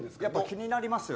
気になりますよ。